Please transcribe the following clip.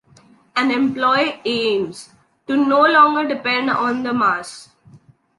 An employee aims to no longer depend on the mass.